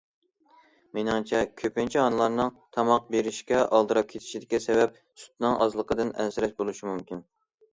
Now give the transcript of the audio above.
مېنىڭچە كۆپىنچە ئانىلارنىڭ تاماق بېرىشكە ئالدىراپ كېتىشىدىكى سەۋەب سۈتىنىڭ ئازلىقىدىن ئەنسىرەش بولۇشى مۇمكىن.